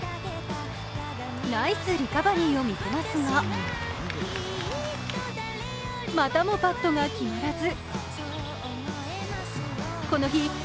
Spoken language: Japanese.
ナイスリカバリーを見せますがまたもパットが決まらず。